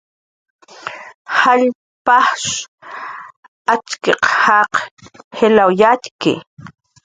Jall pajsh atz'kiq jaq jiway yatxki